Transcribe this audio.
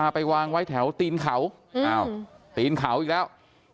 ไปวางไว้แถวตีนเขาตีนเขาอีกแล้ว